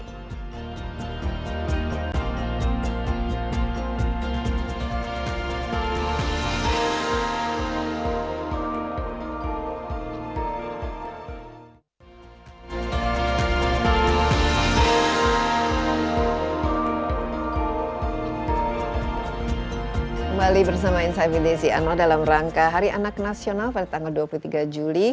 kembali bersama insight tv di siano dalam rangka hari anak nasional pada tanggal dua puluh tiga juli